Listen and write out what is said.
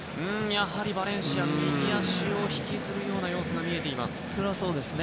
やはりバレンシア、右足を引きずるような様子が見えます。